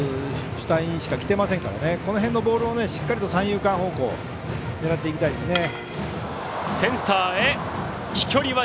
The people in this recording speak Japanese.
主体にしかきてませんからこの辺のボールをしっかりと三遊間方向狙っていきたいですね。